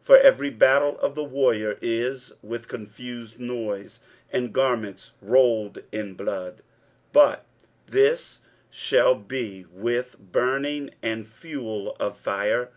23:009:005 For every battle of the warrior is with confused noise, and garments rolled in blood; but this shall be with burning and fuel of fire.